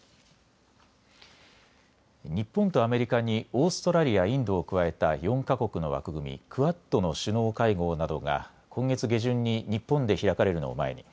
日本とアメリカにオーストラリア、インドを加えた４か国の枠組み、クアッドの首脳会合などが今月下旬に日本で開かれるのを前に